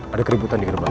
ada keributan di gerbang